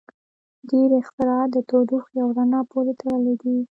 • ډیری اختراعات د تودوخې او رڼا پورې تړلي دي.